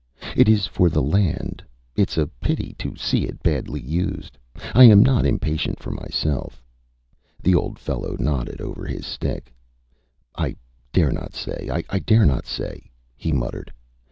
ÂIt is for the land. ItÂs a pity to see it badly used. I am not impatient for myself.Â The old fellow nodded over his stick. ÂI dare say; I dare say,Â he muttered.